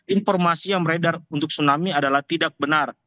informasi yang beredar untuk tsunami adalah tidak benar